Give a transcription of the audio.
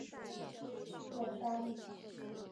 色萨利。